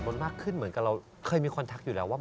พอโปรดโม้ลมากขึ้นเหมือนกับเราเรอเคยมีคนทักอยู่แล้วพยายาม